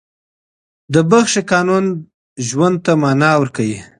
د بښې قانون ژوند ته معنا ورکوي.